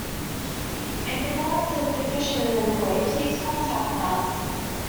If the product is deficient in any way, please contact us.